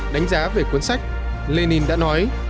đánh giá về cuốn sách lê ninh đã nói